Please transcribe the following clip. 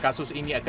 ya naik sidik